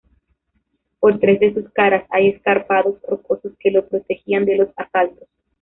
Por tres de sus caras hay escarpados rocosos que lo protegían de los asaltos.